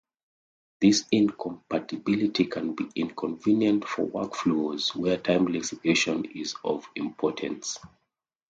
This incompatibility can be inconvenient for work flows where timely execution is of importance.